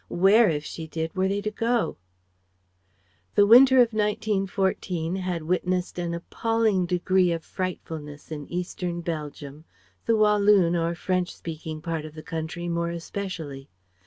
Where, if she did, were they to go? The winter of 1914 had witnessed an appalling degree of frightfulness in eastern Belgium, the Wallon or French speaking part of the country more especially.